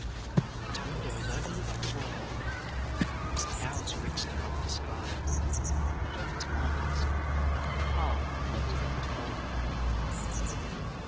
Its windows overlooked the world, its towers reached above the sky, and of its wonders not the half had ever been told him.